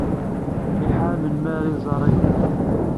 Iḥar melmi ara iẓer agmuḍ.